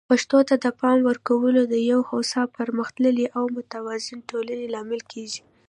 پښتو ته د پام ورکول د یو هوسا، پرمختللي او متوازن ټولنې لامل کیږي.